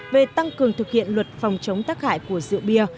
về tăng cường thực hiện luật phòng chống tác hại của rượu bia